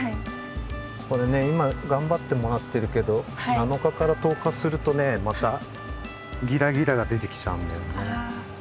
これね今がんばってもらってるけど７日から１０日するとねまたギラギラが出てきちゃうんだよね。